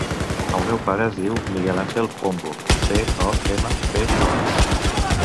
El meu pare es diu Miguel àngel Pombo: pe, o, ema, be, o.